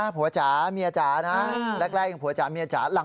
ผัวจ๋าเมียจ๋านะแรกยังผัวจ๋าเมียจ๋า